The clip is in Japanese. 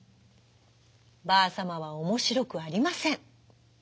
ばあさまはおもしろくありません。